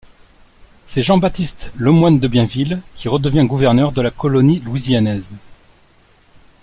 C'est Jean-Baptiste Le Moyne de Bienville qui redevient gouverneur de la colonie louisianaise.